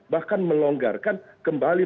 bahkan melonggarkan kembali